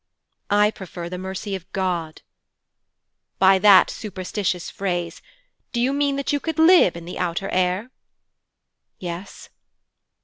'I prefer the mercy of God.' 'By that superstitious phrase, do you mean that you could live in the outer air?' 'Yes.'